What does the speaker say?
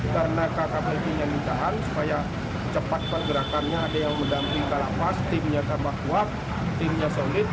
karena kkplb nya mintaan supaya cepat pergerakannya ada yang mendampingkan lapas timnya tambah kuat timnya solid